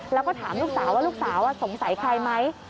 แล้วก็ถามลูกสาวว่าลูกสาวสงสัยใครไหม